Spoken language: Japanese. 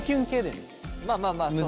まあまあまあそうだね。